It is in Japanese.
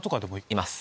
います。